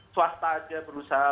swasta saja berusaha